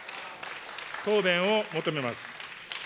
答弁を求めます。